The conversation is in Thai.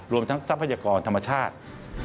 รวมทั้งทรัพยากรธรรมชาติ